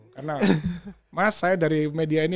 karena mas saya dari media ini